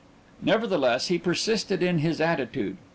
Nevertheless he persisted in his attitude.